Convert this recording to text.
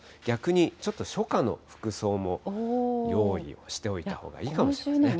逆にちょっと初夏の服装も用意をしておいたほうがいいかもしれま